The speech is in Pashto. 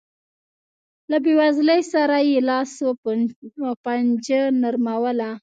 له بېوزلۍ سره یې لاس و پنجه نرموله.